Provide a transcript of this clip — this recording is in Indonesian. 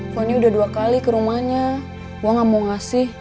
pony udah dua kali ke rumahnya gua nggak mau ngasih